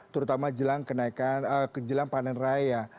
terutama jelang panen raya